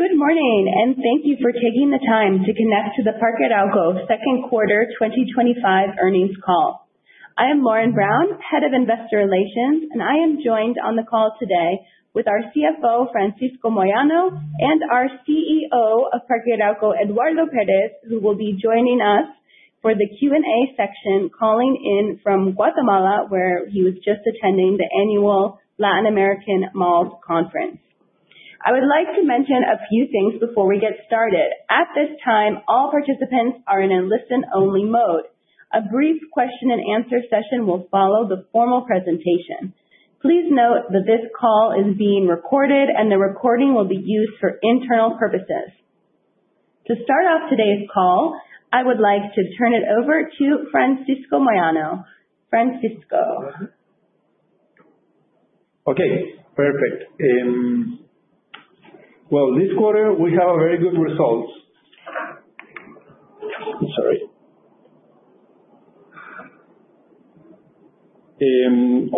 Good morning, and thank you for taking the time to connect to the Parque Arauco second quarter 2025 earnings call. I am Lauren Brown, Head of Investor Relations, and I am joined on the call today with our CFO, Francisco Moyano, and our CEO of Parque Arauco, Eduardo Pérez, who will be joining us for the Q&A section, calling in from Guatemala, where he was just attending the annual Latin American Malls Conference. I would like to mention a few things before we get started. At this time, all participants are in a listen-only mode. A brief question and answer session will follow the formal presentation. Please note that this call is being recorded and the recording will be used for internal purposes. To start off today's call, I would like to turn it over to Francisco Moyano. Francisco.. Okay, perfect. Well, this quarter we have a very good results,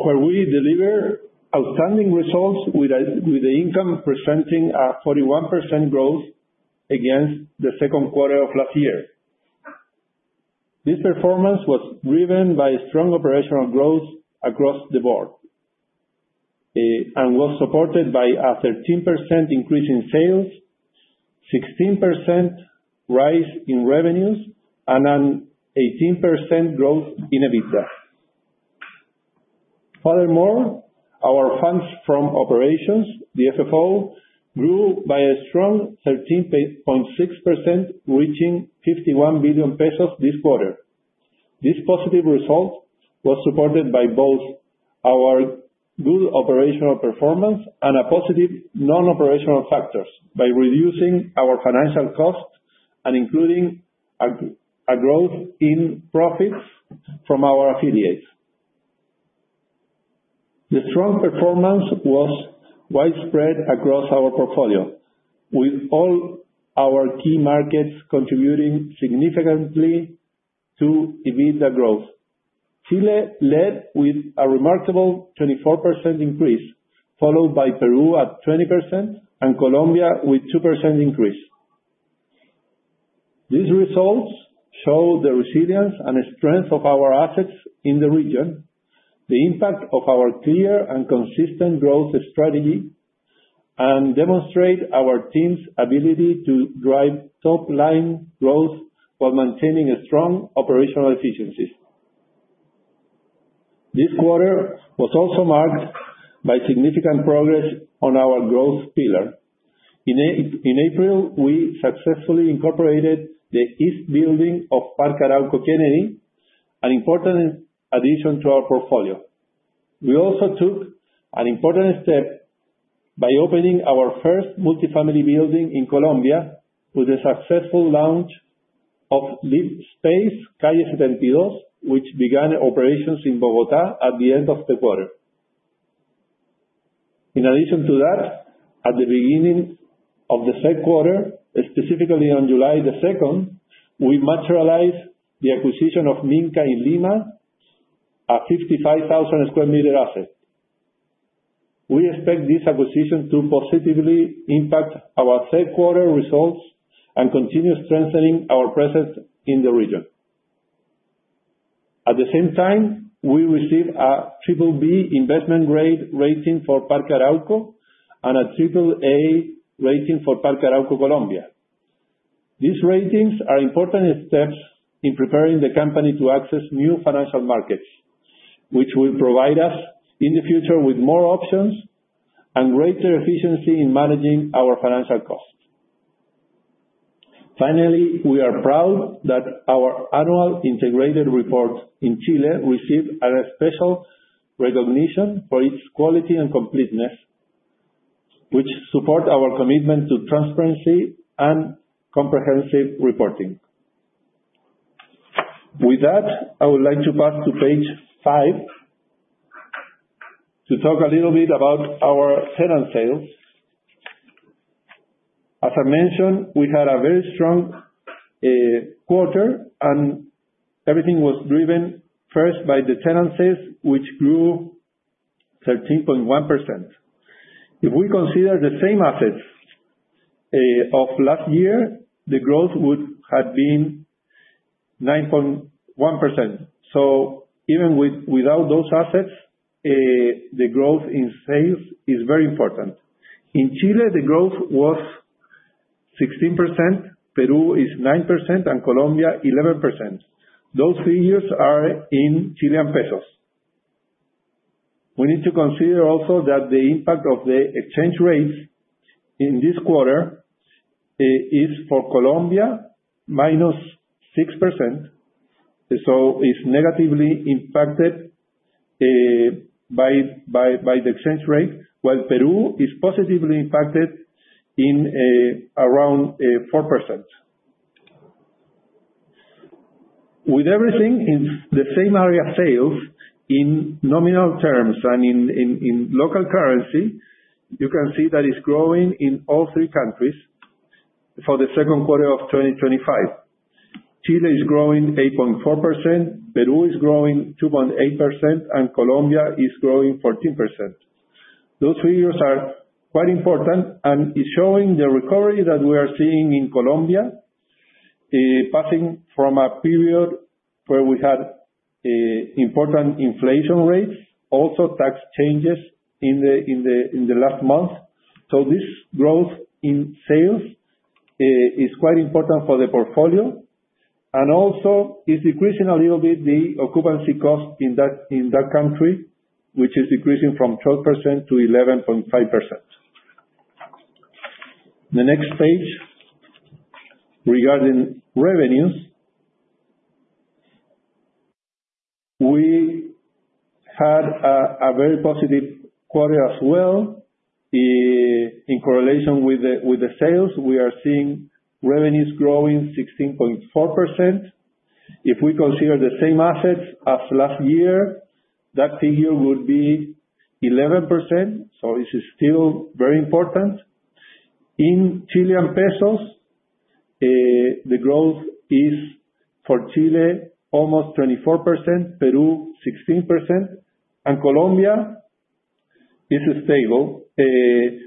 where we deliver outstanding results with the income presenting a 41% growth against the second quarter of last year. This performance was driven by strong operational growth across the board, and was supported by a 13% increase in sales, 16% rise in revenues, and an 18% growth in EBITDA. Furthermore, our funds from operations, the FFO, grew by a strong 13.6%, reaching 51 billion pesos this quarter. This positive result was supported by both our good operational performance and positive non-operational factors by reducing our financial costs and including a growth in profits from our affiliates. The strong performance was widespread across our portfolio, with all our key markets contributing significantly to EBITDA growth. Chile led with a remarkable 24% increase, followed by Peru at 20% and Colombia with 2% increase. These results show the resilience and strength of our assets in the region, the impact of our clear and consistent growth strategy, and demonstrate our team's ability to drive top-line growth while maintaining a strong operational efficiency. This quarter was also marked by significant progress on our growth pillar. In April, we successfully incorporated the east building of Parque Arauco Kennedy, an important addition to our portfolio. We also took an important step by opening our first multifamily building in Colombia with the successful launch of LiveSpace Calle 72, which began operations in Bogotá at the end of the quarter. In addition to that, at the beginning of the third quarter, specifically on July the second, we materialized the acquisition of Minka in Lima, a 55,000 sq m asset. We expect this acquisition to positively impact our third quarter results and continue strengthening our presence in the region. At the same time, we received a BBB investment grade rating for Parque Arauco and a AAA rating for Parque Arauco Colombia. These ratings are important steps in preparing the company to access new financial markets, which will provide us, in the future, with more options and greater efficiency in managing our financial costs. Finally, we are proud that our annual integrated report in Chile received a special recognition for its quality and completeness, which support our commitment to transparency and comprehensive reporting. With that, I would like to pass to page five to talk a little bit about our tenant sales. As I mentioned, we had a very strong quarter, and everything was driven first by the tenancies, which grew 13.1%. If we consider the same assets of last year, the growth would have been 9.1%. Even without those assets, the growth in sales is very important. In Chile, the growth was 16%. Peru is 9% and Colombia 11%. Those figures are in Chilean pesos. We need to consider also that the impact of the exchange rates in this quarter is for Colombia -6%, so it's negatively impacted by the exchange rate. While Peru is positively impacted by around 4%. With everything in the same area of sales in nominal terms and in local currency, you can see that it's growing in all three countries for the second quarter of 2025. Chile is growing 8.4%, Peru is growing 2.8%, and Colombia is growing 14%. Those figures are quite important and is showing the recovery that we are seeing in Colombia. Passing from a period where we had important inflation rates, also tax changes in the last month. This growth in sales is quite important for the portfolio. Also is decreasing a little bit the occupancy cost in that country, which is decreasing from 12%-11.5%. The next page, regarding revenues. We had a very positive quarter as well. In correlation with the sales, we are seeing revenues growing 16.4%. If we consider the same assets as last year, that figure would be 11%, this is still very important. In Chilean pesos, the growth is for Chile almost 24%, Peru 16%, and Colombia is stable,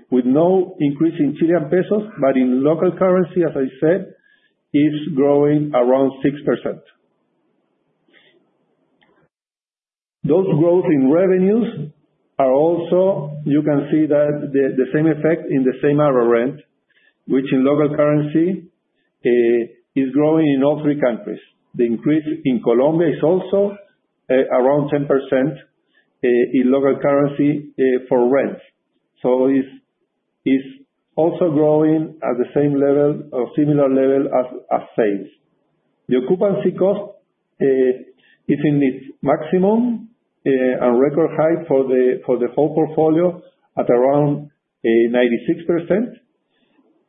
with no increase in Chilean pesos, but in local currency, as I said, is growing around 6%. That growth in revenues are also. You can see that the same effect in the same-store rent, which in local currency, is growing in all three countries. The increase in Colombia is also, around 10% in local currency for rent. Is also growing at the same level or similar level as sales. The occupancy rate is in its maximum and record high for the whole portfolio at around 96%.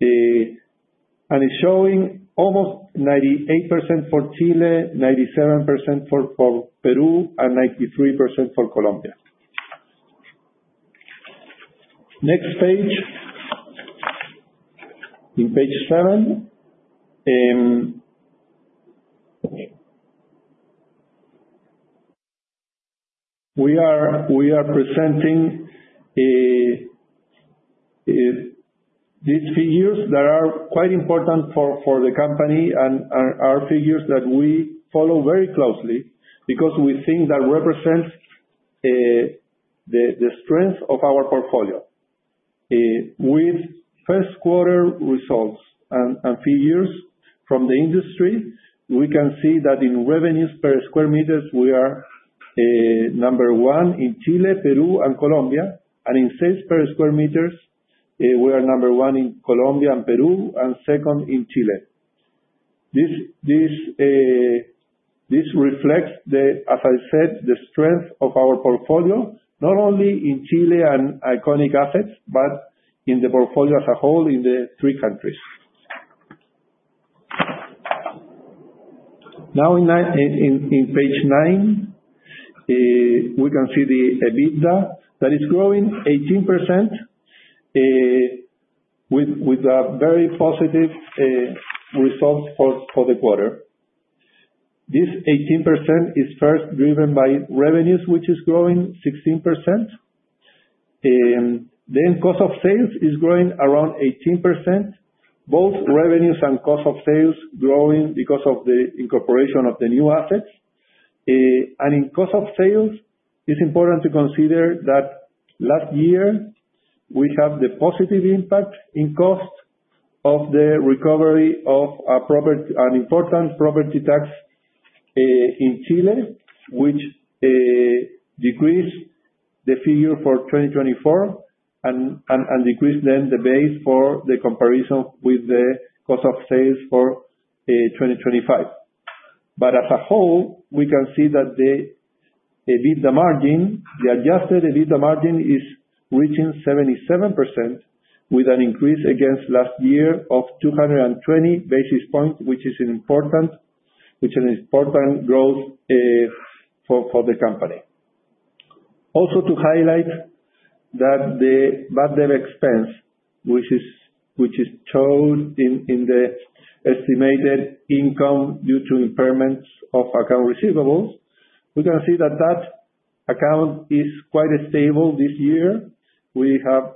It's showing almost 98% for Chile, 97% for Peru, and 93% for Colombia. Next page. In page 7, we are presenting these figures that are quite important for the company and are figures that we follow very closely because we think that represents the strength of our portfolio. With first quarter results and figures from the industry, we can see that in revenues per square meters, we are number one in Chile, Peru, and Colombia. In sales per square meters, we are number one in Colombia and Peru, and second in Chile. This reflects, as I said, the strength of our portfolio, not only in Chile and iconic assets, but in the portfolio as a whole in the three countries. Now in page nine, we can see the EBITDA that is growing 18%, with a very positive results for the quarter. This 18% is first driven by revenues, which is growing 16%. Then cost of sales is growing around 18%. Both revenues and cost of sales growing because of the incorporation of the new assets. In cost of sales, it's important to consider that last year we have the positive impact in cost of the recovery of a property, an important property tax, in Chile, which decrease the figure for 2024 and decrease then the base for the comparison with the cost of sales for 2025. As a whole, we can see that the EBITDA margin, the adjusted EBITDA margin, is reaching 77% with an increase against last year of 220 basis points, which is an important growth for the company. Also, to highlight that the bad debt expense, which is shown in the estimated income due to impairments of accounts receivable, we can see that that account is quite stable this year. We have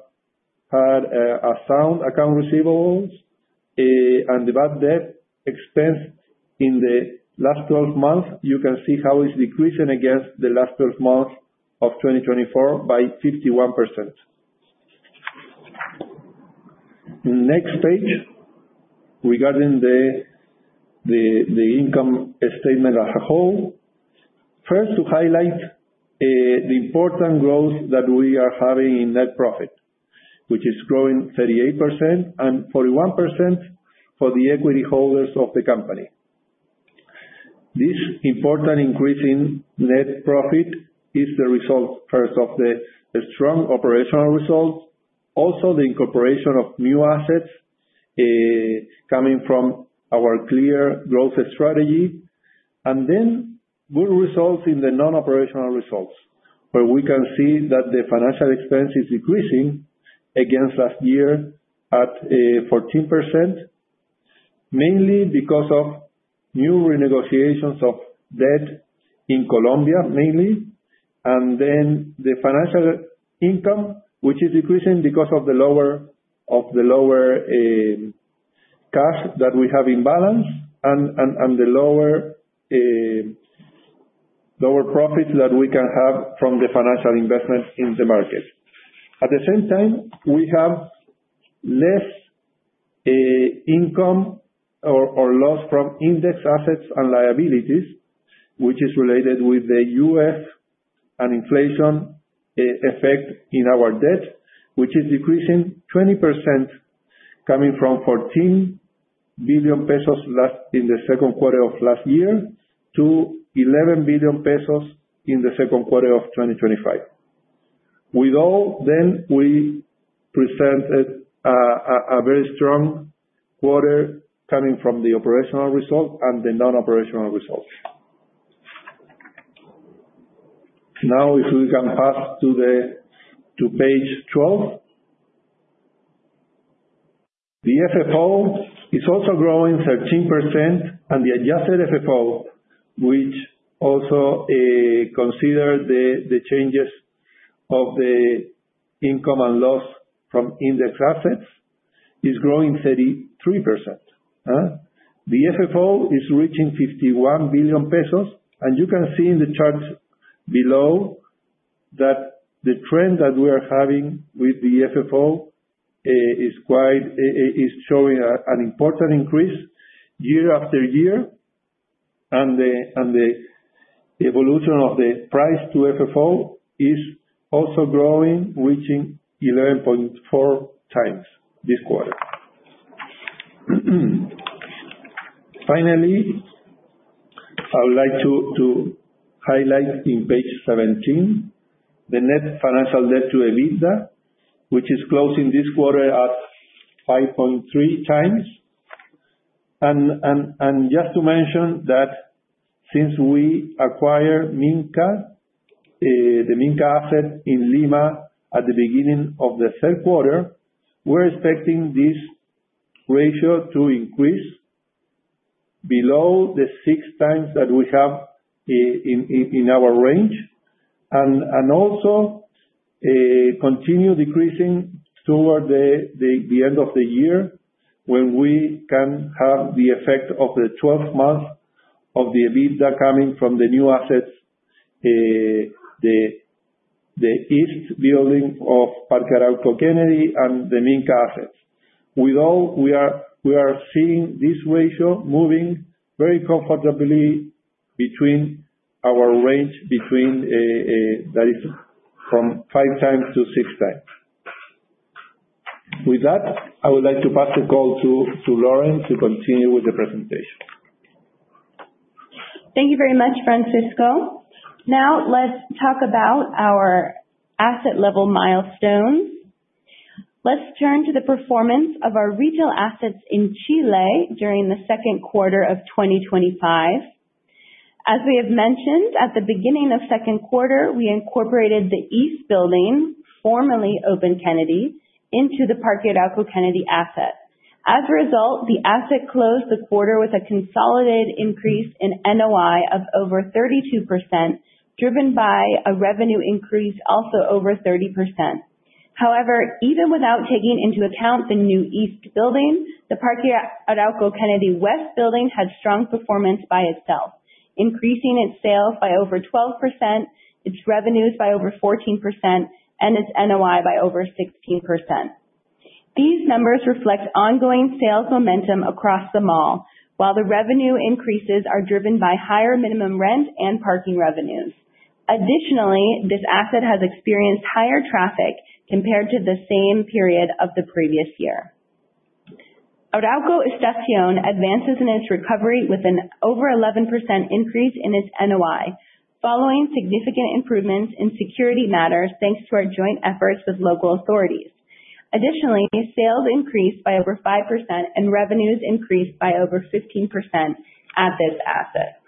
had a sound accounts receivable, and the bad debt expense in the last 12 months. You can see how it's decreasing against the last 12 months of 2024 by 51%. Next page, regarding the income statement as a whole. First, to highlight the important growth that we are having in net profit, which is growing 38% and 41% for the equity holders of the company. This important increase in net profit is the result, first, of the strong operational results, also the incorporation of new assets coming from our clear growth strategy. Then good results in the non-operating results, where we can see that the financial expense is decreasing against last year at 14% mainly because of new renegotiations of debt in Colombia mainly. The financial income, which is decreasing because of the lower cash that we have in balance and the lower profits that we can have from the financial investment in the market. At the same time, we have less income or loss from indexed assets and liabilities, which is related with the UF and inflation effect in our debt, which is decreasing 20% coming from 14 billion pesos in the second quarter of last year to 11 billion pesos in the second quarter of 2025. With all, we presented a very strong quarter coming from the operational results and the non-operational results. Now, if we can pass to page 12. The FFO is also growing 13% and the adjusted FFO which also consider the changes of the income and loss from index assets is growing 33%. The FFO is reaching 51 billion pesos, and you can see in the chart below that the trend that we are having with the FFO is quite showing an important increase year after year. The evolution of the price to FFO is also growing, reaching 11.4x this quarter. Finally, I would like to highlight in page 17 the net financial debt to EBITDA, which is closing this quarter at 5.3x. Just to mention that since we acquired Minka, the Minka asset in Lima at the beginning of the third quarter, we're expecting this ratio to increase below the 6x that we have in our range. Also, continue decreasing toward the end of the year when we can have the effect of the 12 months of the EBITDA coming from the new assets, the East building of Parque Arauco Kennedy and the Minka assets. With all, we are seeing this ratio moving very comfortably between our range, that is from 5x-6x. With that, I would like to pass the call to Lauren to continue with the presentation. Thank you very much, Francisco. Now let's talk about our asset level milestones. Let's turn to the performance of our retail assets in Chile during the second quarter of 2025. As we have mentioned, at the beginning of second quarter, we incorporated the East building, formerly Open Plaza Kennedy, into the Parque Arauco Kennedy asset. As a result, the asset closed the quarter with a consolidated increase in NOI of over 32%, driven by a revenue increase also over 30%. However, even without taking into account the new East building, the Parque Arauco Kennedy West building had strong performance by itself, increasing its sales by over 12%, its revenues by over 14%, and its NOI by over 16%. These numbers reflect ongoing sales momentum across the mall, while the revenue increases are driven by higher minimum rent and parking revenues. Additionally, this asset has experienced higher traffic compared to the same period of the previous year. Arauco Estación advances in its recovery with an over 11% increase in its NOI following significant improvements in security matters, thanks to our joint efforts with local authorities. Additionally, sales increased by over 5% and revenues increased by over 15% at this asset.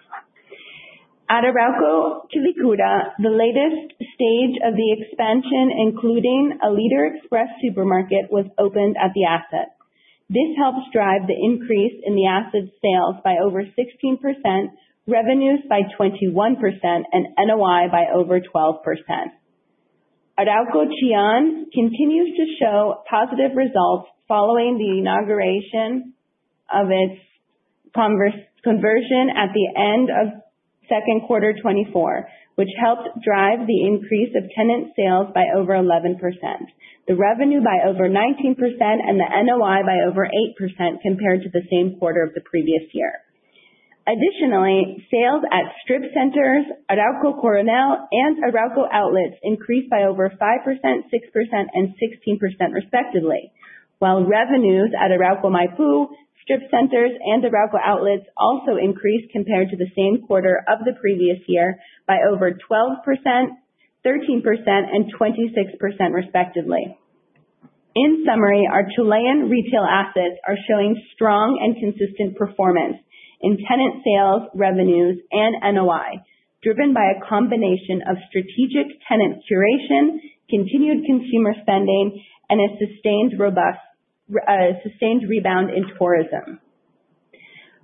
At Arauco Quilicura, the latest stage of the expansion, including a Líder Express supermarket, was opened at the asset. This helps drive the increase in the asset sales by over 16%, revenues by 21%, and NOI by over 12%. Arauco Chillán continues to show positive results following the inauguration of its conversion at the end of second quarter 2024. Which helped drive the increase of tenant sales by over 11%, the revenue by over 19%, and the NOI by over 8% compared to the same quarter of the previous year. Additionally, sales at strip centers, Arauco Coronel and Arauco Outlets increased by over 5%, 6%, and 16% respectively. While revenues at Arauco Maipú strip centers and Arauco Outlets also increased compared to the same quarter of the previous year by over 12%, 13%, and 26% respectively. In summary, our Chilean retail assets are showing strong and consistent performance in tenant sales, revenues and NOI, driven by a combination of strategic tenant curation, continued consumer spending and a sustained robust, sustained rebound in tourism.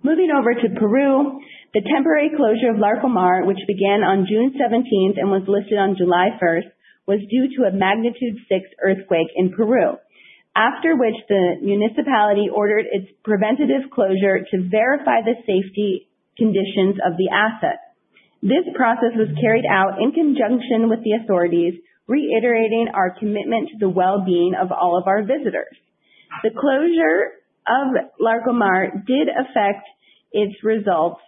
Moving over to Peru, the temporary closure of Larcomar, which began on June seventeenth and was lifted on July first, was due to a magnitude 6 earthquake in Peru. After which the municipality ordered its preventative closure to verify the safety conditions of the asset. This process was carried out in conjunction with the authorities, reiterating our commitment to the well-being of all of our visitors. The closure of Larcomar did affect its results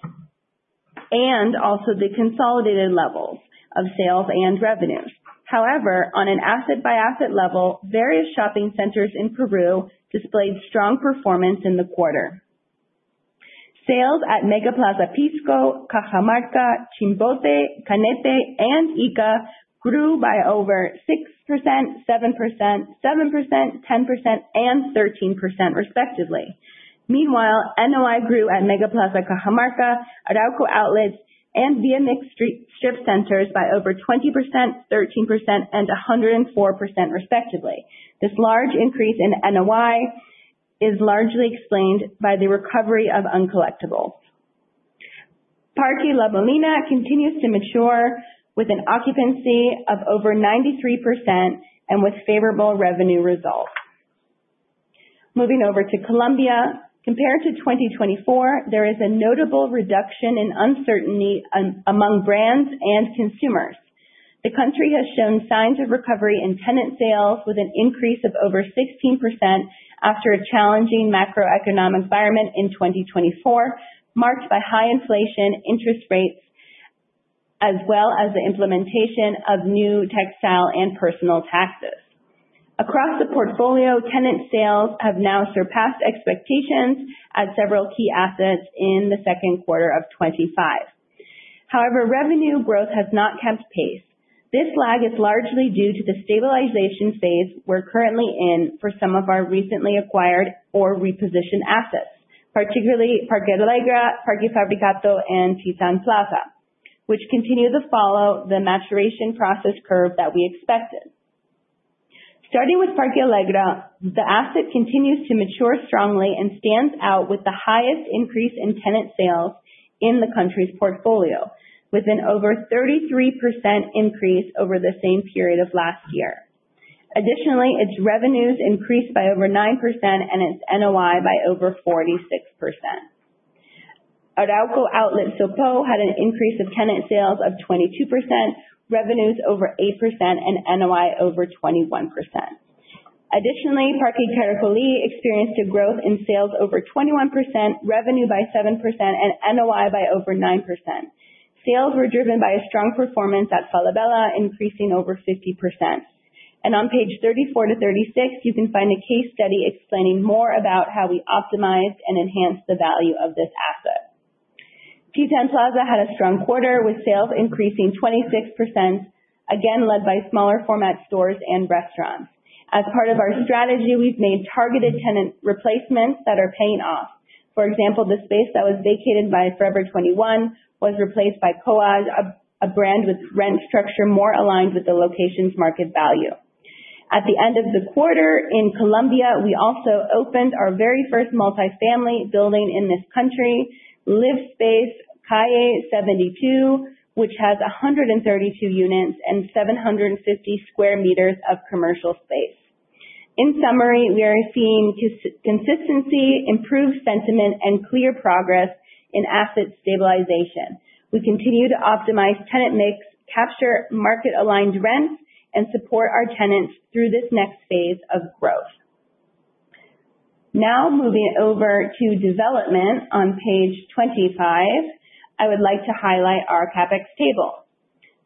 and also the consolidated levels of sales and revenues. However, on an asset-by-asset level, various shopping centers in Peru displayed strong performance in the quarter. Sales at MegaPlaza Pisco, Cajamarca, Chimbote, Cañete and Ica grew by over 6%, 7%, 7%, 10% and 13% respectively. Meanwhile, NOI grew at MegaPlaza Cajamarca, Arauco Outlets and ViaMix strip centers by over 20%, 13% and 104% respectively. This large increase in NOI is largely explained by the recovery of uncollectible. Parque La Molina continues to mature with an occupancy of over 93% and with favorable revenue results. Moving over to Colombia, compared to 2024, there is a notable reduction in uncertainty among brands and consumers. The country has shown signs of recovery in tenant sales with an increase of over 16% after a challenging macroeconomic environment in 2024, marked by high inflation, interest rates, as well as the implementation of new textile and personal taxes. Across the portfolio, tenant sales have now surpassed expectations at several key assets in the second quarter of 2025. However, revenue growth has not kept pace. This lag is largely due to the stabilization phase we're currently in for some of our recently acquired or repositioned assets, particularly Parque Alegra, Parque Fabricato and Titán Plaza, which continue to follow the maturation process curve that we expected. Starting with Parque Alegra, the asset continues to mature strongly and stands out with the highest increase in tenant sales in the country's portfolio, with an over 33% increase over the same period of last year. Additionally, its revenues increased by over 9% and its NOI by over 46%. Outlet Arauco Sopó had an increase of tenant sales of 22%, revenues over 8% and NOI over 21%. Additionally, Parque Caracolí experienced a growth in sales over 21%, revenue by 7% and NOI by over 9%. Sales were driven by a strong performance at Falabella, increasing over 50%. On pages 34-36, you can find a case study explaining more about how we optimized and enhanced the value of this asset. Titan Plaza had a strong quarter with sales increasing 26%, again led by smaller format stores and restaurants. As part of our strategy, we've made targeted tenant replacements that are paying off. For example, the space that was vacated by Forever 21 was replaced by Koaj, a brand with rent structure more aligned with the location's market value. At the end of the quarter in Colombia, we also opened our very first multifamily building in this country, LiveSpace Calle 72, which has 132 units and 750 sq m of commercial space. In summary, we are seeing consistency, improved sentiment and clear progress in asset stabilization. We continue to optimize tenant mix, capture market aligned rents, and support our tenants through this next phase of growth. Now, moving over to development on page 25, I would like to highlight our CapEx table.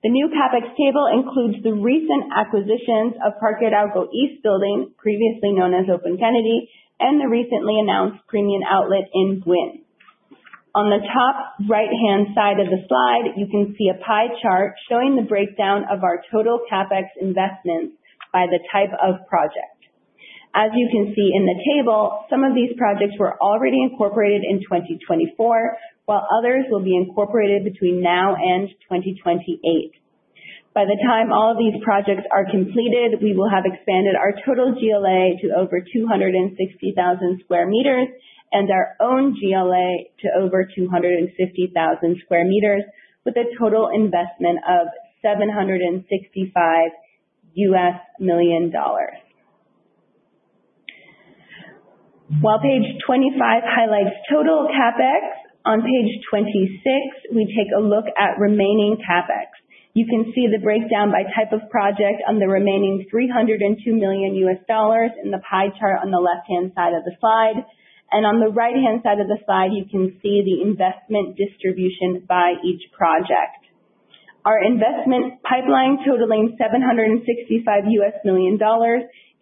The new CapEx table includes the recent acquisitions of Parque Arauco East Building, previously known as Open Plaza Kennedy, and the recently announced premium outlet in Buin. On the top right-hand side of the slide, you can see a pie chart showing the breakdown of our total CapEx investments by the type of project. As you can see in the table, some of these projects were already incorporated in 2024, while others will be incorporated between now and 2028. By the time all of these projects are completed, we will have expanded our total GLA to over 260,000 sq m and our own GLA to over 250,000 square meters with a total investment of $765 million. While page 25 highlights total CapEx, on page 26, we take a look at remaining CapEx. You can see the breakdown by type of project on the remaining $302 million in the pie chart on the left-hand side of the slide. On the right-hand side of the slide, you can see the investment distribution by each project. Our investment pipeline totaling $765 million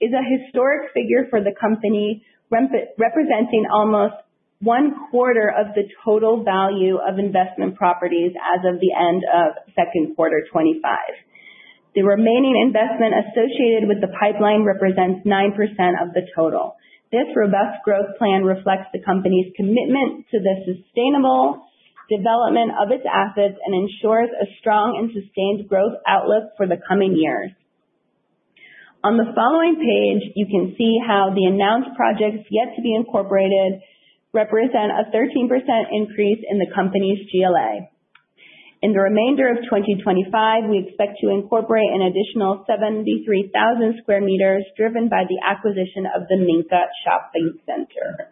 is a historic figure for the company, representing almost one quarter of the total value of investment properties as of the end of second quarter 2025. The remaining investment associated with the pipeline represents 9% of the total. This robust growth plan reflects the company's commitment to the sustainable development of its assets and ensures a strong and sustained growth outlook for the coming years. On the following page, you can see how the announced projects yet to be incorporated represent a 13% increase in the company's GLA. In the remainder of 2025, we expect to incorporate an additional 73,000 sq m driven by the acquisition of the Minka Shopping Center.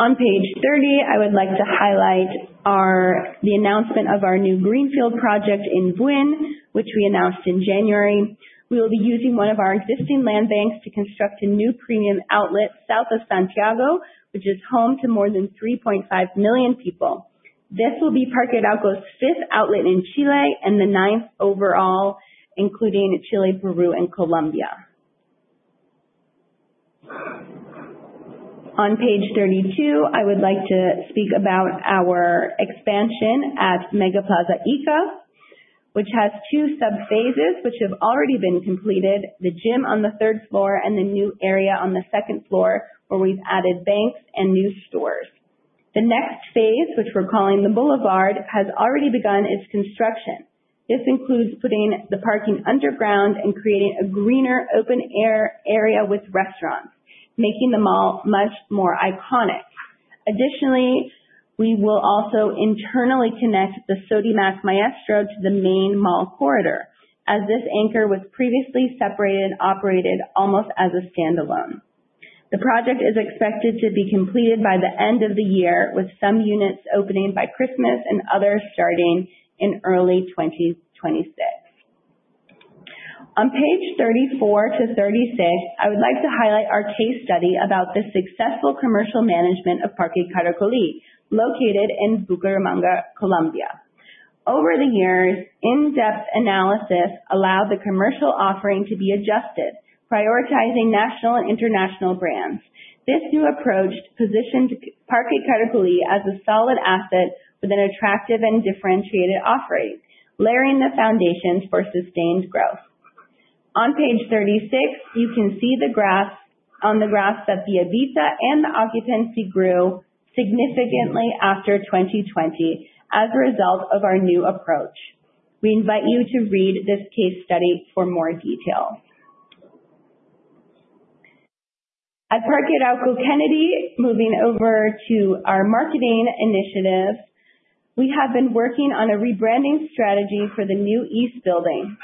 On page 30, I would like to highlight our announcement of our new greenfield project in Buin, which we announced in January. We will be using one of our existing land banks to construct a new premium outlet south of Santiago, which is home to more than 3.5 million people. This will be Parque Arauco's fifth outlet in Chile and the ninth overall, including Chile, Peru, and Colombia. On page 32, I would like to speak about our expansion at MegaPlaza Ica, which has two subphases, which have already been completed, the gym on the third floor and the new area on the second floor, where we've added banks and new stores. The next phase, which we're calling the Boulevard, has already begun its construction. This includes putting the parking underground and creating a greener open air area with restaurants, making the mall much more iconic. Additionally, we will also internally connect the Sodimac Maestro to the main mall corridor, as this anchor was previously separated, operated almost as a standalone. The project is expected to be completed by the end of the year, with some units opening by Christmas and others starting in early 2026. On page 34-36, I would like to highlight our case study about the successful commercial management of Parque Caracolí, located in Bucaramanga, Colombia. Over the years, in-depth analysis allowed the commercial offering to be adjusted, prioritizing national and international brands. This new approach positioned Parque Caracolí as a solid asset with an attractive and differentiated offering, layering the foundations for sustained growth. On page 36, you can see on the graphs that the EBITDA and the occupancy grew significantly after 2020 as a result of our new approach. We invite you to read this case study for more details. At Parque Arauco Kennedy, moving over to our marketing initiatives, we have been working on a rebranding strategy for the new east building.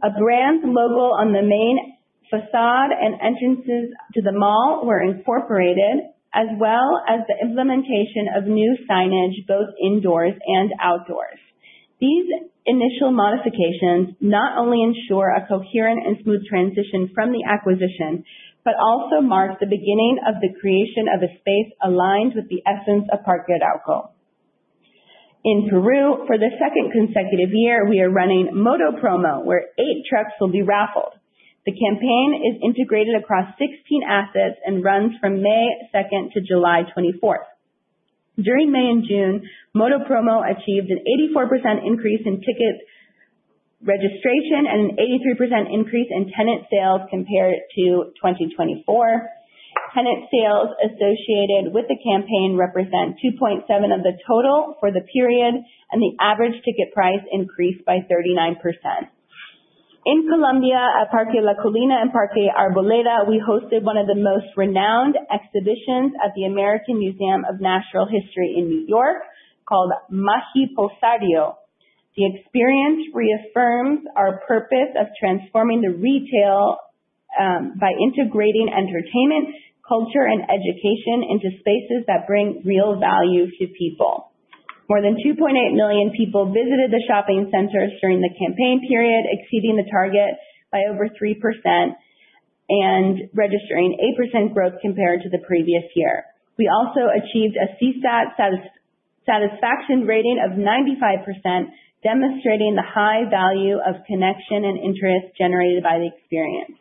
A brand logo on the main facade and entrances to the mall were incorporated, as well as the implementation of new signage, both indoors and outdoors. These initial modifications not only ensure a coherent and smooth transition from the acquisition, but also mark the beginning of the creation of a space aligned with the essence of Parque Arauco. In Peru, for the second consecutive year, we are running Moto Promo, where eight trucks will be raffled. The campaign is integrated across 16 assets and runs from May 2 to July 24. During May and June, Moto Promo achieved an 84% increase in ticket registration and an 83% increase in tenant sales compared to 2024. Tenant sales associated with the campaign represent 2.7% of the total for the period, and the average ticket price increased by 39%. In Colombia, at Parque La Colina and Parque Arboleda, we hosted one of the most renowned exhibitions at the American Museum of Natural History in New York, called Magia Rosario. The experience reaffirms our purpose of transforming the retail by integrating entertainment, culture, and education into spaces that bring real value to people. More than 2.8 million people visited the shopping centers during the campaign period, exceeding the target by over 3% and registering 8% growth compared to the previous year. We also achieved a CSAT satisfaction rating of 95%, demonstrating the high value of connection and interest generated by the experience.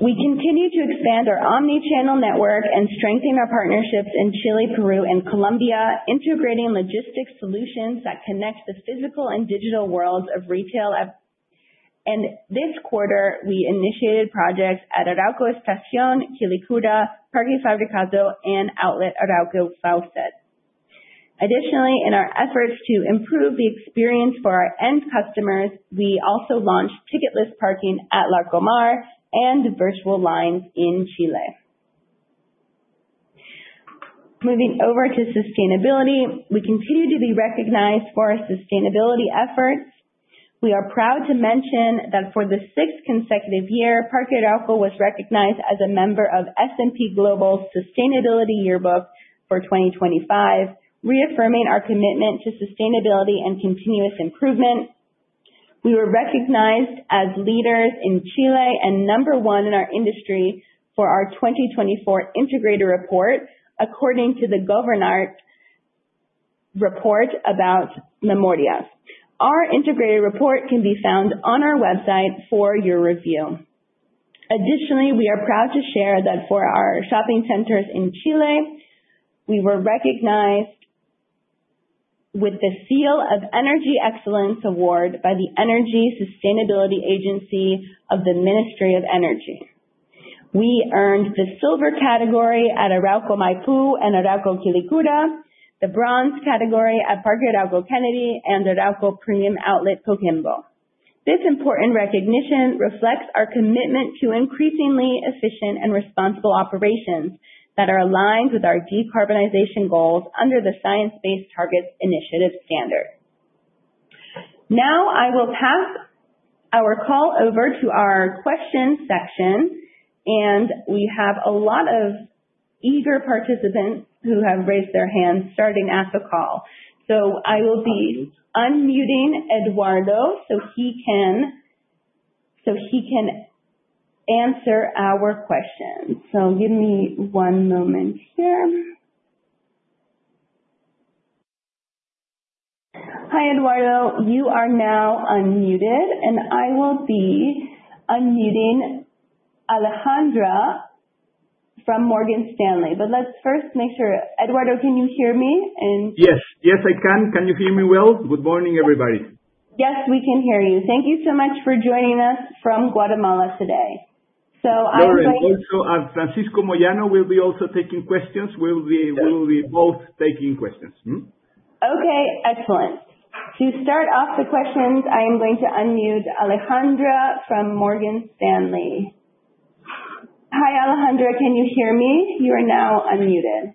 We continue to expand our omni-channel network and strengthen our partnerships in Chile, Peru, and Colombia, integrating logistics solutions that connect the physical and digital worlds of retail. This quarter, we initiated projects at Arauco Estación, Arauco Quilicura, Parque Fabricato, and Outlet Arauco Sauces. Additionally, in our efforts to improve the experience for our end customers, we also launched ticketless parking at Larcomar and virtual lines in Chile. Moving over to sustainability. We continue to be recognized for our sustainability efforts. We are proud to mention that for the sixth consecutive year, Parque Arauco was recognized as a member of S&P Global Sustainability Yearbook for 2025, reaffirming our commitment to sustainability and continuous improvement. We were recognized as leaders in Chile and number one in our industry for our 2024 integrated report according to the Gobernarte report about Memoria. Our integrated report can be found on our website for your review. Additionally, we are proud to share that for our shopping centers in Chile, we were recognized with the Seal of Energy Excellence Award by the Energy Sustainability Agency of the Ministry of Energy. We earned the silver category at Arauco Maipú and Arauco Quilicura, the bronze category at Parque Arauco Kennedy and Arauco Premium Outlet Coquimbo. This important recognition reflects our commitment to increasingly efficient and responsible operations that are aligned with our decarbonization goals under the Science Based Targets initiative standard. Now I will pass our call over to our question section, and we have a lot of eager participants who have raised their hands, starting at the call. I will be unmuting Eduardo so he can answer our questions. Give me one moment here. Hi, Eduardo. You are now unmuted, and I will be unmuting Alejandra from Morgan Stanley. Let's first make sure... Eduardo, can you hear me? Yes. Yes, I can. Can you hear me well? Good morning, everybody. Yes, we can hear you. Thank you so much for joining us from Guatemala today. Lauren, also, Francisco Moyano will be also taking questions. We'll be both taking questions. Okay, excellent. To start off the questions, I am going to unmute Alejandra from Morgan Stanley. Hi, Alejandra, can you hear me? You are now unmuted.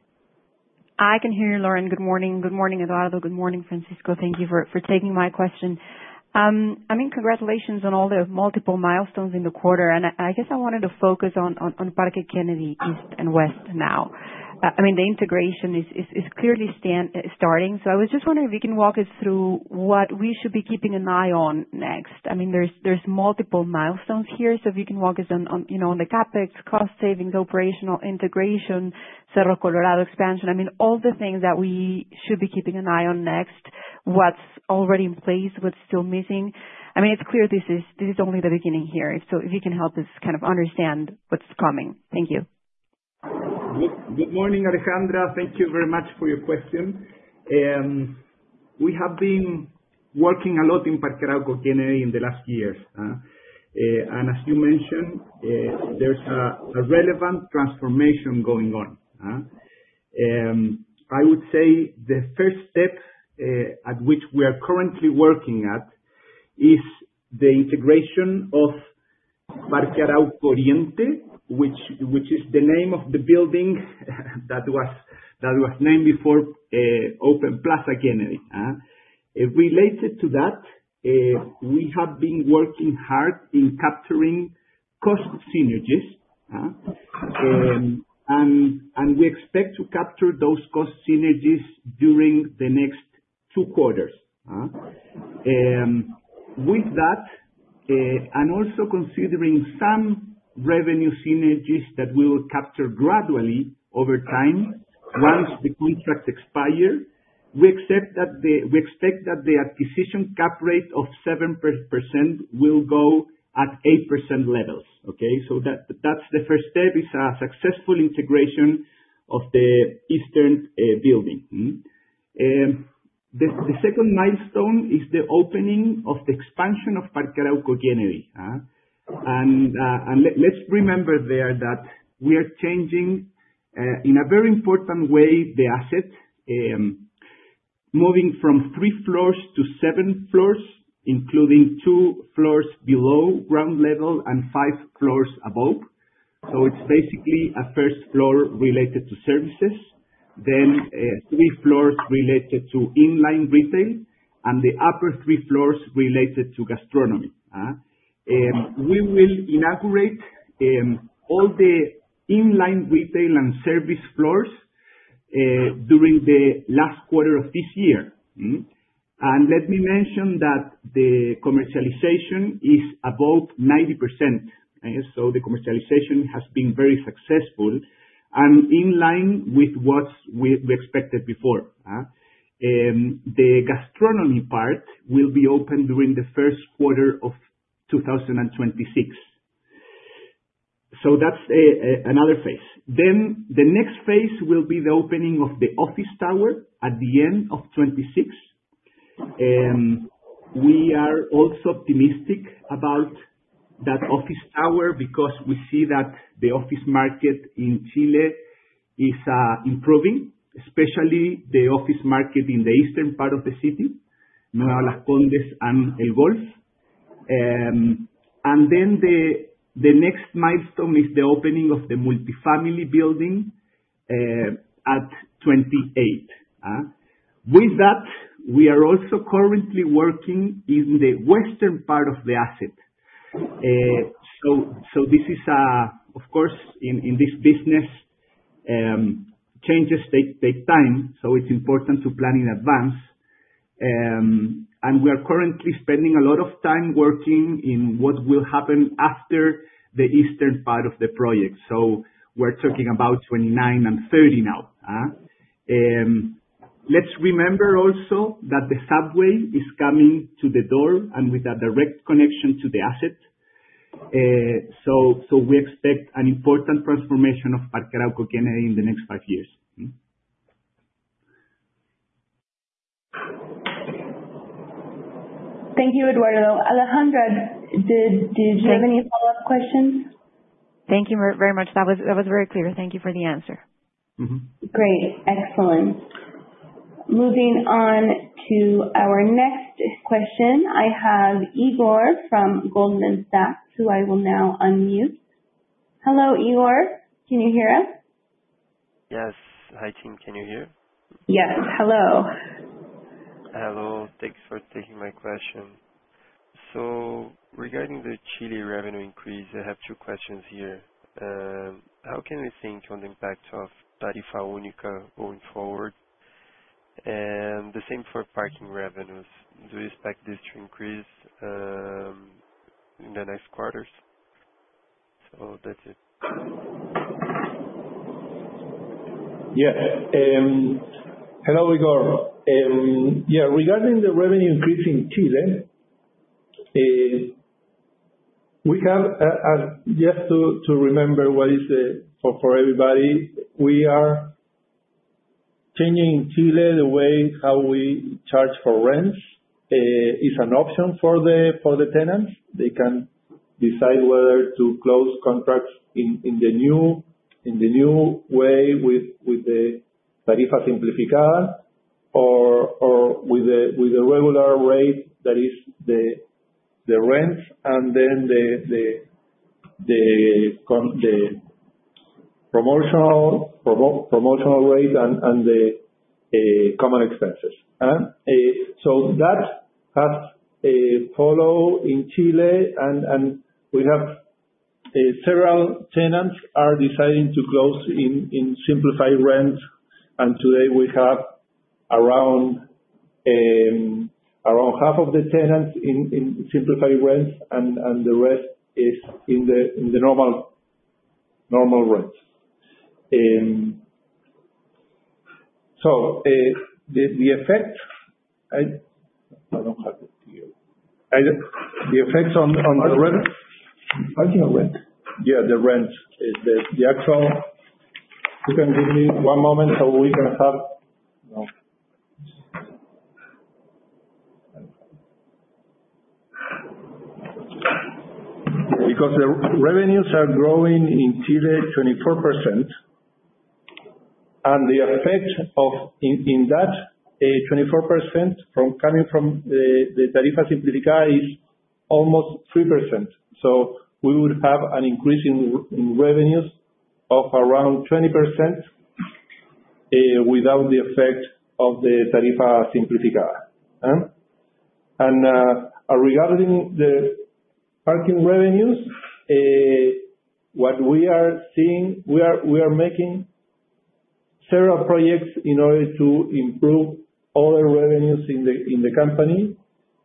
I can hear you, Lauren. Good morning. Good morning, Eduardo. Good morning, Francisco. Thank you for taking my question. I mean, congratulations on all the multiple milestones in the quarter, and I guess I wanted to focus on Parque Arauco Kennedy East and West now. I mean, the integration is clearly starting. I was just wondering if you can walk us through what we should be keeping an eye on next. I mean, there's multiple milestones here. If you can walk us on, you know, on the CapEx, cost savings, operational integration, Cerro Colorado expansion, I mean, all the things that we should be keeping an eye on next, what's already in place, what's still missing. I mean, it's clear this is only the beginning here. If you can help us kind of understand what's coming. Thank you. Good morning, Alejandra. Thank you very much for your question. We have been working a lot in Parque Arauco Kennedy in the last years, and as you mentioned, there's a relevant transformation going on. I would say the first step at which we are currently working at is the integration of Parque Arauco Oriente, which is the name of the building that was named before, Open Plaza Kennedy. Related to that, we have been working hard in capturing cost synergies, and we expect to capture those cost synergies during the next two quarters. With that, and also considering some revenue synergies that we will capture gradually over time once the contracts expire, we expect that the acquisition cap rate of 7% will go at 8% levels. That's the first step, is a successful integration of the eastern building. The second milestone is the opening of the expansion of Parque Arauco Kennedy, and let's remember there that we are changing in a very important way the asset, moving from three floors to seven floors, including two floors below ground level and five floors above. It's basically a first floor related to services, then three floors related to in-line retail, and the upper three floors related to gastronomy. We will inaugurate all the in-line retail and service floors during the last quarter of this year. Let me mention that the commercialization is above 90%. The commercialization has been very successful and in line with what we expected before. The gastronomy part will be open during the first quarter of 2026. That's another phase. The next phase will be the opening of the office tower at the end of 2026. We are also optimistic about that office tower because we see that the office market in Chile is improving, especially the office market in the eastern part of the city, Nueva Las Condes and El Golf. The next milestone is the opening of the multifamily building at 2028. With that, we are also currently working in the western part of the asset. Of course, in this business, changes take time, so it's important to plan in advance. We are currently spending a lot of time working on what will happen after the eastern part of the project. We're talking about 2029 and 2030 now. Let's remember also that the subway is coming to the door and with a direct connection to the asset. We expect an important transformation of Parque Arauco in the next five years. Thank you, Eduardo. Alejandra, did you have any follow-up questions? Thank you very much. That was very clear. Thank you for the answer. Mm-hmm. Great. Excellent. Moving on to our next question. I have Igor from Goldman Sachs, who I will now unmute. Hello, Igor. Can you hear us? Yes. Hi, team. Can you hear? Yes. Hello. Hello. Thanks for taking my question. Regarding the Chile revenue increase, I have two questions here. How can we think on the impact of Tarifa Simplificada going forward? The same for parking revenues. Do you expect this to increase in the next quarters? That's it. Hello, Igor. Yeah, regarding the revenue increase in Chile, for everybody, we are changing in Chile the way how we charge for rents. It's an option for the tenants. They can decide whether to close contracts in the new way with the Tarifa Simplificada or with the regular rate that is the rent and then the promotional rate and the common expenses. So that has followed in Chile, and we have several tenants are deciding to close in simplified rent. Today we have around half of the tenants in simplified rent, and the rest is in the normal rent. I don't have it here. The effects on the rent. Parking or rent? The rent. Is the actual. Because the revenues are growing in Chile 24%, and the effect in that 24% coming from the Tarifa Simplificada is almost 3%. We would have an increase in revenues of around 20% without the effect of the Tarifa Simplificada. Regarding the parking revenues, what we are seeing, we are making several projects in order to improve all our revenues in the company,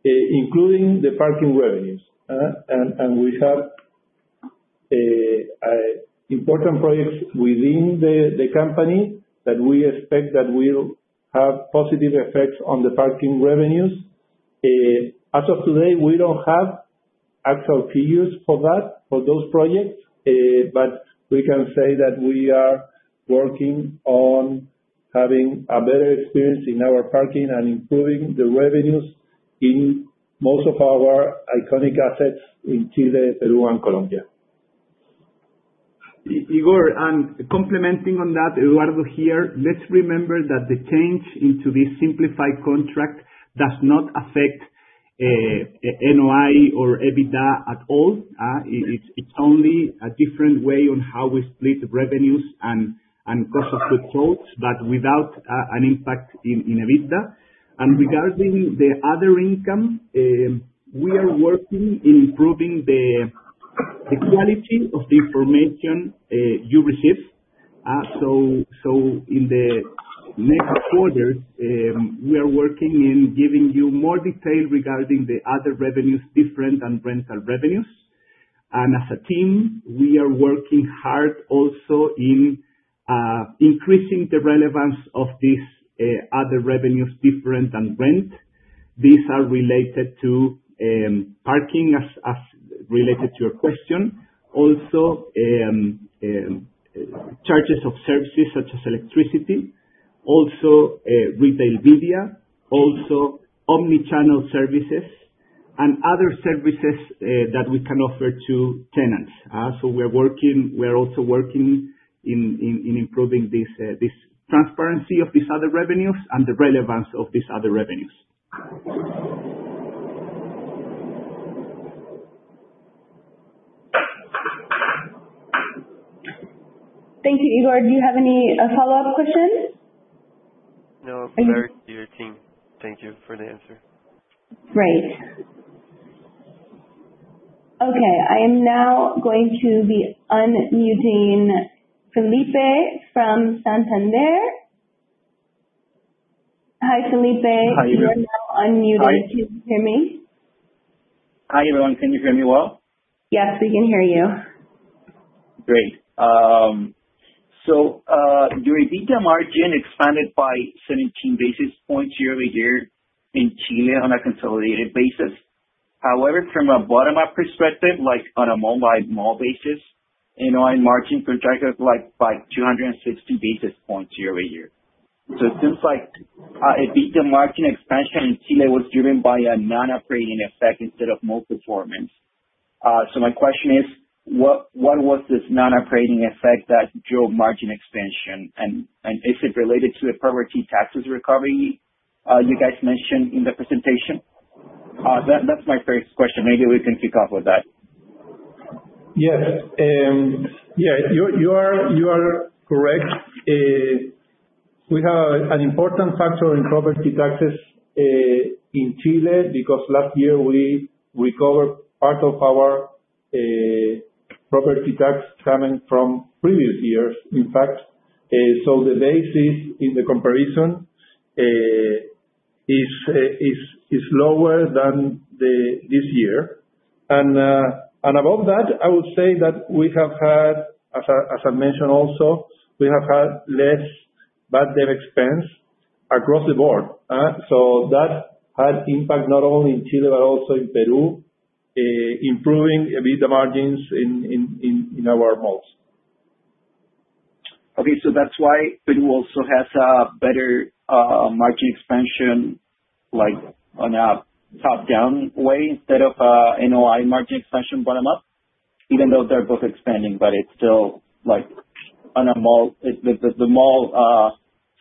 including the parking revenues. We have important projects within the company that we expect will have positive effects on the parking revenues. As of today, we don't have actual fees for that, for those projects, but we can say that we are working on having a better experience in our parking and improving the revenues in most of our iconic assets in Chile, Peru, and Colombia. Igor, commenting on that, Eduardo here. Let's remember that the change into this simplified contract does not affect NOI or EBITDA at all. It is only a different way on how we split the revenues and cost of goods, but without an impact in EBITDA. Regarding the other income, we are working on improving the quality of the information you receive. In the next quarters, we are working on giving you more detail regarding the other revenues different than rental revenues. As a team, we are working hard also in increasing the relevance of these other revenues different than rent. These are related to parking as related to your question. Charges for services such as electricity, retail media, omni-channel services and other services that we can offer to tenants. We are also working on improving this transparency of these other revenues and the relevance of these other revenues. Thank you. Igor, do you have any follow-up questions? No. Very clear, team. Thank you for the answer. Great. Okay, I am now going to be unmuting Felipe from Santander. Hi, Felipe. How are you? You are now unmuted. Hi. Can you hear me? Hi, everyone. Can you hear me well? Yes, we can hear you. Great. Your EBITDA margin expanded by 17 basis points year-over-year in Chile on a consolidated basis. However, from a bottom-up perspective, like, on a mall by mall basis, and the margin contracted, like, by 260 basis points year-over-year. It seems like EBITDA margin expansion in Chile was driven by a non-operating effect instead of mall performance. My question is: What was this non-operating effect that drove margin expansion? And is it related to the property taxes recovery you guys mentioned in the presentation? That's my first question. Maybe we can kick off with that. Yes. Yeah, you are correct. We have an important factor in property taxes in Chile because last year we recovered part of our property tax coming from previous years, in fact. The basis in the comparison is lower than this year. Above that, I would say that we have had, as I mentioned also, less bad debt expense across the board. That has impact not only in Chile but also in Peru, improving EBITDA margins in our malls. That's why Peru also has a better margin expansion, like, on a top-down way instead of a NOI margin expansion bottom up, even though they're both expanding. It's still, like, on a mall, the mall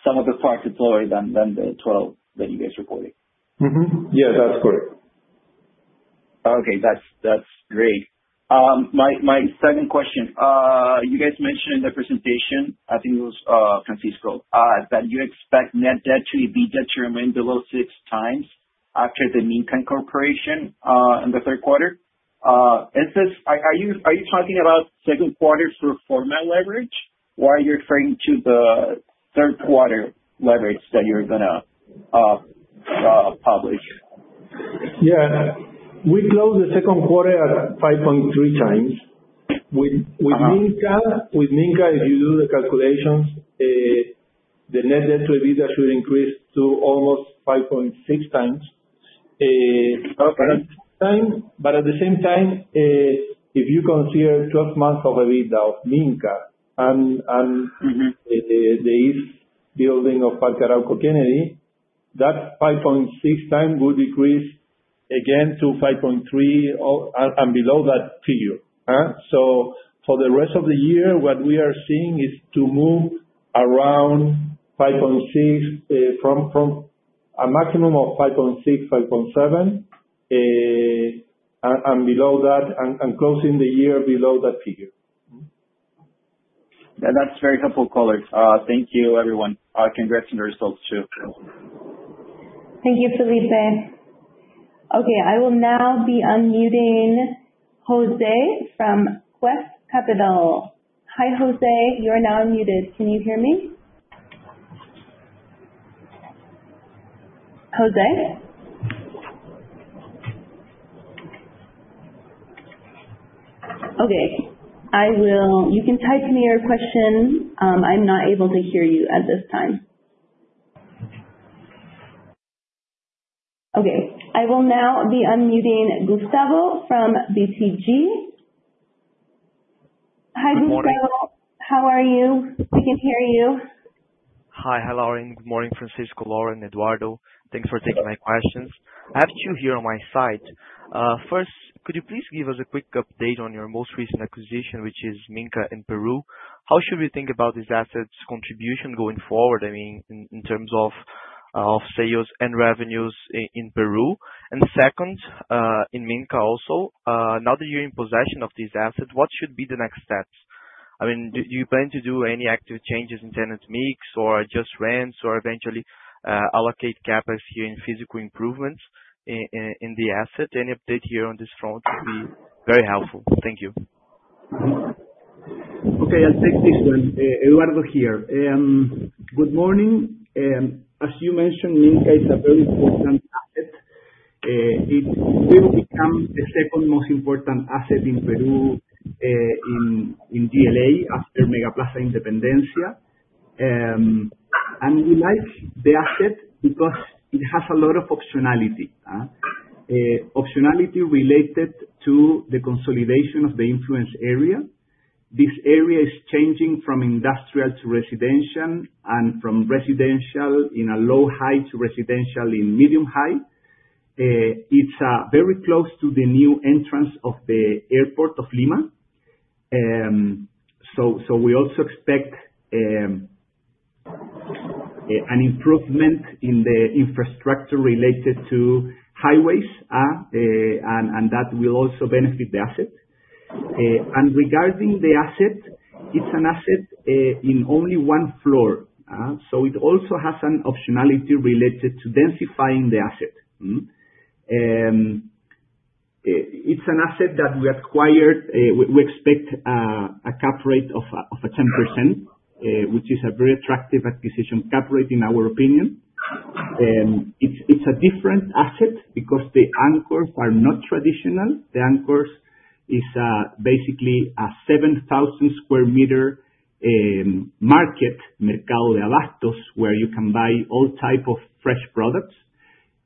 some of the parts is lower than the 12% that you guys reported. Mm-hmm. Yeah, that's correct. Okay. That's great. My second question. You guys mentioned in the presentation, I think it was Francisco, that you expect net debt to EBITDA to remain below six times after the Minka incorporation in the third quarter. Are you talking about second quarter pro forma leverage, or are you referring to the third quarter leverage that you're gonna publish? Yeah. We closed the second quarter at 5.3x. Uh-huh. With Minka, if you do the calculations, the net debt to EBITDA should increase to almost 5.6 times. Okay. At the same time, if you consider 12 months of EBITDA of Minka and Mm-hmm The building of Parque Arauco Kennedy that 5.6x will decrease again to 5.3x or below that figure. For the rest of the year, what we are seeing is to move around 5.6x from a maximum of 5.6x-5.7x and below that and closing the year below that figure. That's very helpful color. Thank you everyone. Congrats on the results too. Thank you, Felipe. Okay, I will now be unmuting Jose from Quest Capital. Hi, Jose, you are now unmuted. Can you hear me? Jose? Okay. You can type me your question. I'm not able to hear you at this time. Okay, I will now be unmuting Gustavo from BTG. Good morning. Hi, Gustavo. How are you? We can hear you. Hi. Hello. Good morning, Francisco, Lauren, Eduardo. Thanks for taking my questions. I have two here on my side. First, could you please give us a quick update on your most recent acquisition, which is Minka in Peru. How should we think about these assets' contribution going forward, I mean, in terms of sales and revenues in Peru? Second, in Minka also, now that you're in possession of these assets, what should be the next steps? I mean, do you plan to do any active changes in tenant mix or just rents or eventually allocate CapEx here in physical improvements in the asset? Any update here on this front would be very helpful. Thank you. Okay, I'll take this one. Eduardo here. Good morning. As you mentioned, Minka is a very important asset. It will become the second most important asset in Peru, in GLA after MegaPlaza Independencia. We like the asset because it has a lot of optionality. Optionality related to the consolidation of the influence area. This area is changing from industrial to residential and from residential in a low height to residential in medium height. It's very close to the new entrance of the airport of Lima. We also expect an improvement in the infrastructure related to highways. That will also benefit the asset. Regarding the asset, it's an asset in only one floor, so it also has an optionality related to densifying the asset. It's an asset that we acquired. We expect a cap rate of 10%, which is a very attractive acquisition cap rate in our opinion. It's a different asset because the anchors are not traditional. The anchors is basically a 7,000 sq m market, Mercado de Abastos, where you can buy all type of fresh products.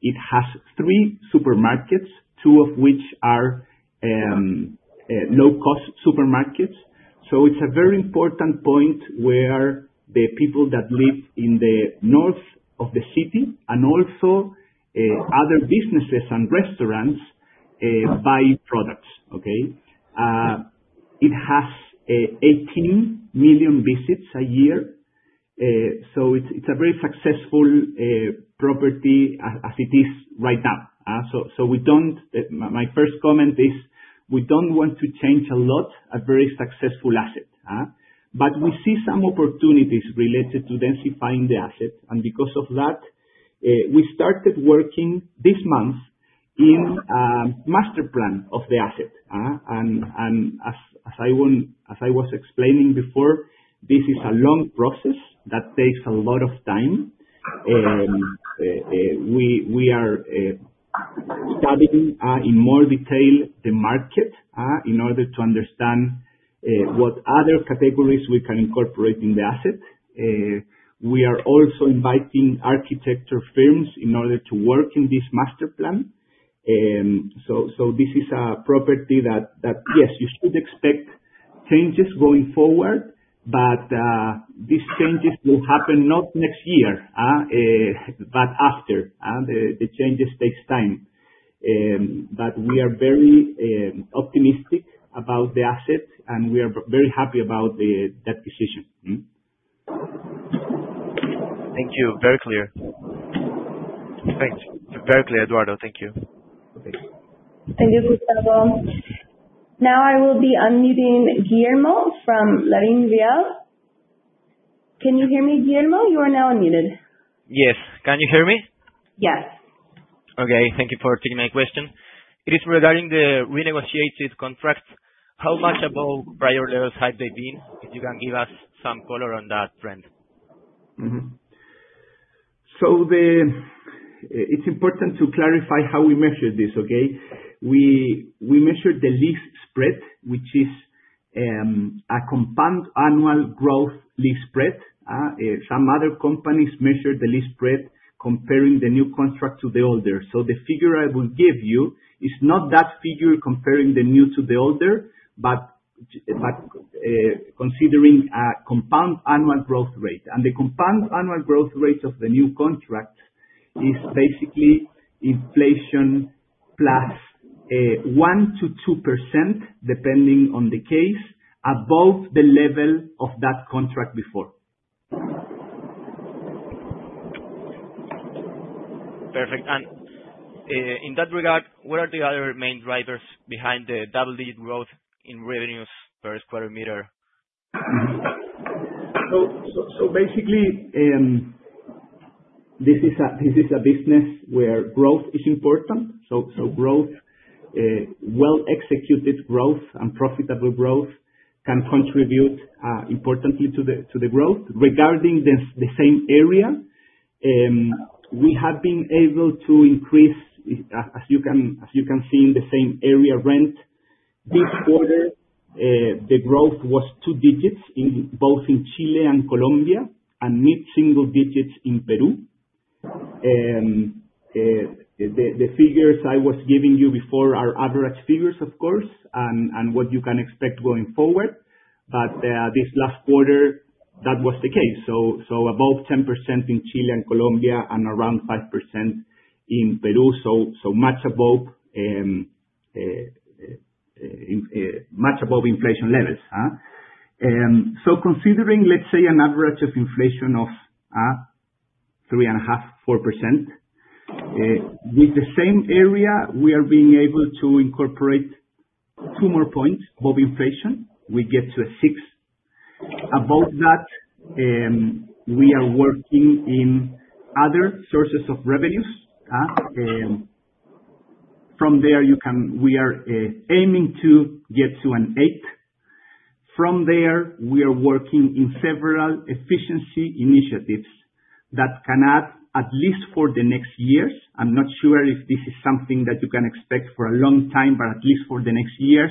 It has three supermarkets, two of which are low-cost supermarkets. It's a very important point where the people that live in the north of the city and also other businesses and restaurants buy products, okay? It has 18 million visits a year. It's a very successful property as it is right now. My first comment is we don't want to change a lot, a very successful asset, but we see some opportunities related to densifying the asset, and because of that, we started working this month in master plan of the asset, and as I was explaining before, this is a long process that takes a lot of time. We are studying in more detail the market in order to understand what other categories we can incorporate in the asset. We are also inviting architecture firms in order to work in this master plan. This is a property that, yes, you should expect changes going forward, but these changes will happen not next year, but after. The changes takes time. We are very optimistic about the asset, and we are very happy about the acquisition. Mm-hmm. Thank you. Very clear. Thanks. Very clear, Eduardo. Thank you. Okay. Thank you, Gustavo. Now I will be unmuting Guillermo from LarrainVial. Can you hear me, Guillermo? You are now unmuted. Yes. Can you hear me? Yes. Okay. Thank you for taking my question. It is regarding the renegotiated contracts. How much above prior levels have they been? If you can give us some color on that trend. It's important to clarify how we measure this, okay? We measure the lease spread, which is a compound annual growth lease spread. Some other companies measure the lease spread comparing the new contract to the older. The figure I will give you is not that figure comparing the new to the older, but considering a compound annual growth rate. The compound annual growth rate of the new contract is basically inflation plus 1%-2%, depending on the case, above the level of that contract before. Perfect. In that regard, what are the other main drivers behind the double-digit growth in revenues per square meter? Basically, this is a business where growth is important. Growth, well-executed growth and profitable growth can contribute importantly to the growth. Regarding the same area, we have been able to increase, as you can see in the same area rent, this quarter, the growth was two digits in both in Chile and Colombia and mid-single digits in Peru. The figures I was giving you before are average figures, of course, and what you can expect going forward. This last quarter, that was the case. Above 10% in Chile and Colombia and around 5% in Peru, much above inflation levels. Considering, let's say, an average of inflation of 3.5%-4%, with the same area, we are being able to incorporate two more points above inflation. We get to a 6%. Above that, we are working in other sources of revenues. We are aiming to get to an 8%. From there, we are working in several efficiency initiatives that can add, at least for the next years, I'm not sure if this is something that you can expect for a long time, but at least for the next years,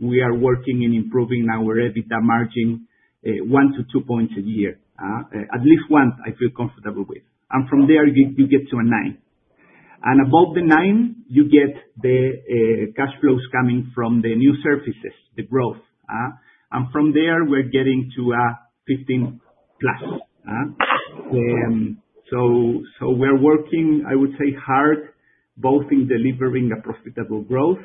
we are working in improving our EBITDA margin, 1-2 points a year. At least one I feel comfortable with. From there you get to a 9%. Above the 9%, you get the cash flows coming from the new surfaces, the growth. From there, we're getting to 15+%. We're working, I would say, hard both in delivering a profitable growth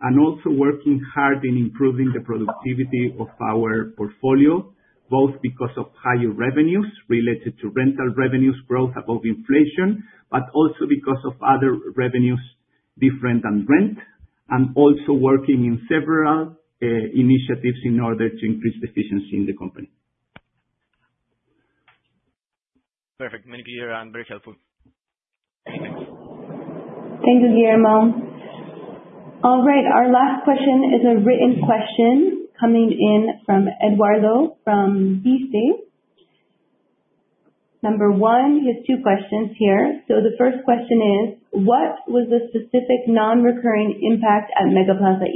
and also working hard in improving the productivity of our portfolio, both because of higher revenues related to rental revenues growth above inflation, but also because of other revenues different than rent, and also working in several initiatives in order to increase efficiency in the company. Perfect. Muchas gracias, clear and very helpful. Thanks, Guillermo. All right, our last question is a written question coming in from Eduardo from Bci. Number one, he has two questions here. The first question is: What was the specific non-recurring impact at MegaPlaza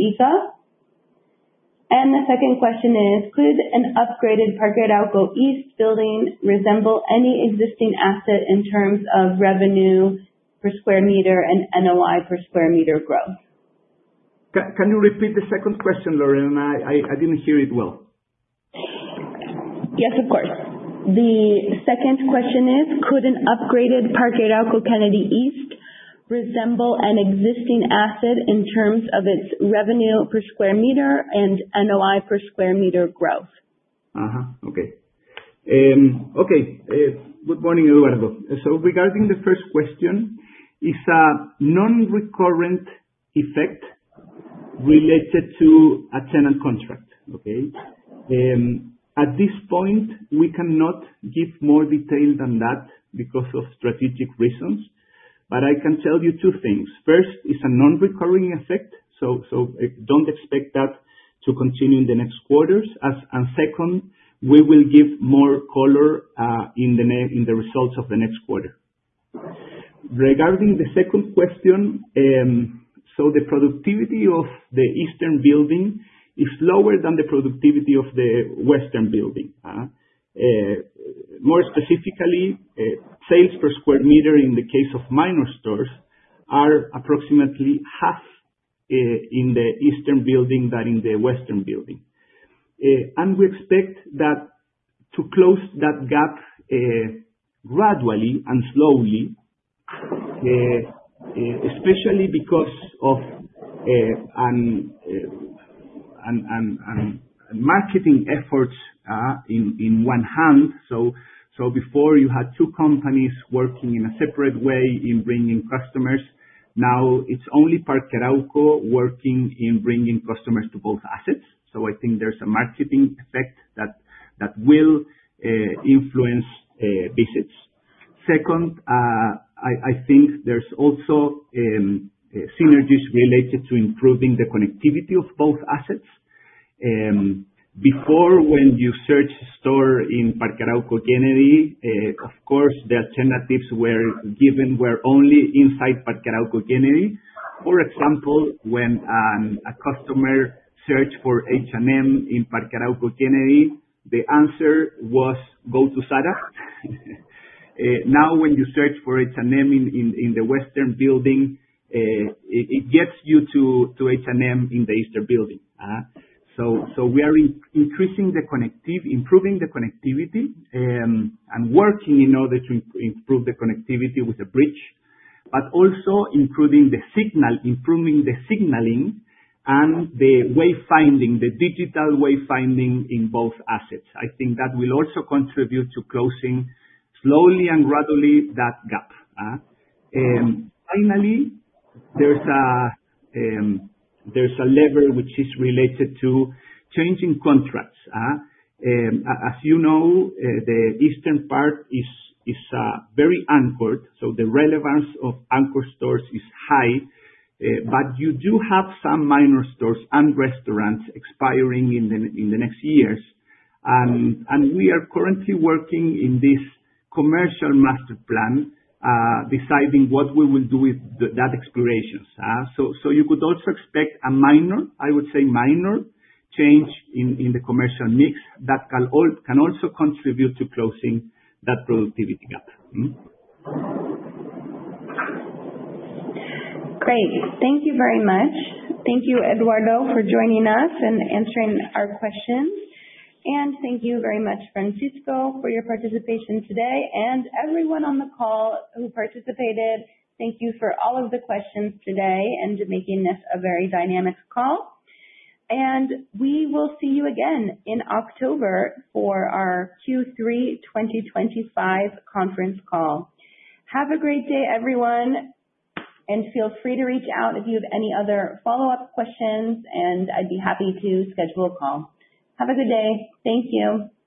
Independencia? The second question is: Could an upgraded Parque Arauco East building resemble any existing asset in terms of revenue per square meter and NOI per square meter growth? Can you repeat the second question, Lauren? I didn't hear it well. Yes, of course. The second question is: Could an upgraded Parque Arauco Kennedy East resemble an existing asset in terms of its revenue per square meter and NOI per square meter growth? Good morning, everyone. Regarding the first question, it's a non-recurring effect related to a tenant contract, okay? At this point, we cannot give more detail than that because of strategic reasons. But I can tell you two things. First, it's a non-recurring effect, so don't expect that to continue in the next quarters. Second, we will give more color in the results of the next quarter. Regarding the second question, the productivity of the eastern building is lower than the productivity of the western building. More specifically, sales per square meter in the case of minor stores are approximately half in the eastern building than in the western building. We expect that to close that gap gradually and slowly, especially because of marketing efforts on one hand. Before you had two companies working in a separate way in bringing customers, now it's only Parque Arauco working in bringing customers to both assets. I think there's a marketing effect that will influence visits. Second, I think there's also synergies related to improving the connectivity of both assets. Before when you search for a store in Parque Arauco Kennedy, of course the alternatives were given only inside Parque Arauco Kennedy. For example, when a customer searched for H&M in Parque Arauco Kennedy, the answer was, "Go to Zara." Now when you search for H&M in the western building, it gets you to H&M in the eastern building. We are improving the connectivity and working in order to improve the connectivity with the bridge. Also improving the signal, improving the signaling and the wayfinding, the digital wayfinding in both assets. I think that will also contribute to closing slowly and gradually that gap. Finally, there's a lever which is related to changing contracts. As you know, the eastern part is very anchored, so the relevance of anchor stores is high. You do have some minor stores and restaurants expiring in the next years. We are currently working in this commercial master plan, deciding what we will do with that expirations. You could also expect a minor change in the commercial mix that can also contribute to closing that productivity gap. Great. Thank you very much. Thank you, Eduardo, for joining us and answering our questions. Thank you very much, Francisco, for your participation today. Everyone on the call who participated, thank you for all of the questions today and making this a very dynamic call. We will see you again in October for our Q3 2025 conference call. Have a great day, everyone, and feel free to reach out if you have any other follow-up questions, and I'd be happy to schedule a call. Have a good day. Thank you. Bye.